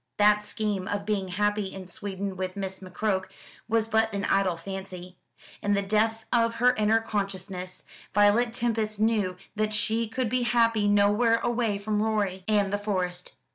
That scheme of being happy in Sweden with Miss McCroke was but an idle fancy. In the depths of her inner consciousness Violet Tempest knew that she could be happy nowhere away from Rorie and the Forest.